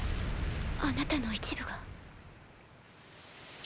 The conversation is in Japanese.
あなたの一部が！